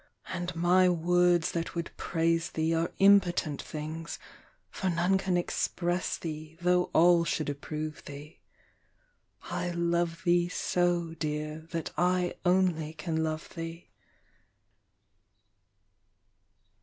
And my words that would praise thee are impotent things, For none can express thee though all should approve thee. I love thee so, Dear, that I only can love thee.